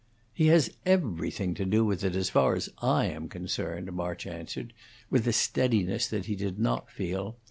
"He has everything to do with it as far as I am concerned," March answered, with a steadiness that he did not feel.